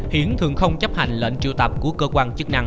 hiển thường không chấp hành lệnh triệu tạp của cơ quan chức năng